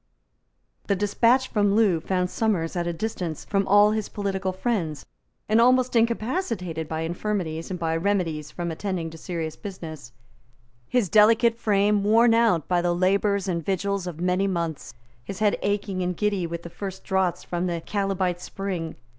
The despatch from Loo found Somers at a distance from all his political friends, and almost incapacitated by infirmities and by remedies from attending to serious business, his delicate frame worn out by the labours and vigils of many months, his head aching and giddy with the first draughts from the chalybeate spring.